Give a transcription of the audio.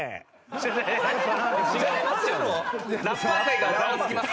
違いますよ。